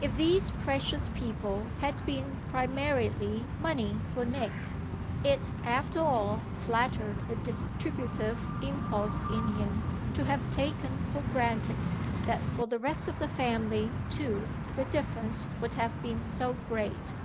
If these precious people had been primarily money for Nick it after all flattered the distributive impulse in him to have taken for granted that for the rest of the family too the difference would have been so great.